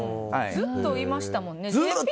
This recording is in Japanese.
ずっといましたもんね。